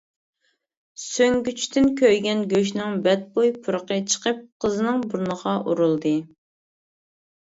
سۈڭگۈچتىن كۆيگەن گۆشنىڭ بەتبۇي پۇرىقى چىقىپ، قىزنىڭ بۇرنىغا ئۇرۇلدى.